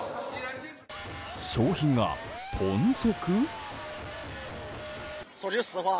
商品が豚足？